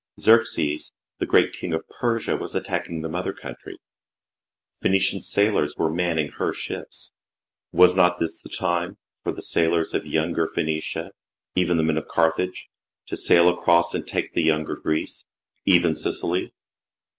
Xerxes, the great King of Persia, was attacking the mother country, Phoenician sailors were manning her ships ; was not this the time for the sailors of younger Phoenicia even the men of Carthage to sail across and take the younger Greece even Sicily